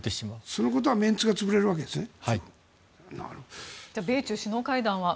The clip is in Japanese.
そのことはメンツが潰れるわけですね。